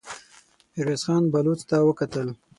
ميرويس خان بلوڅ ته وکتل.